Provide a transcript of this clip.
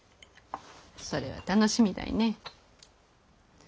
それは楽しみだいねえ。